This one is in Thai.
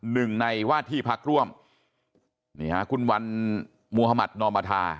๑ในวาที่พักร่วมคุณวันมว์ฮฮมัธรมมาธา